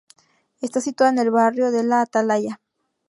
Está situado en el barrio de la Atalaya.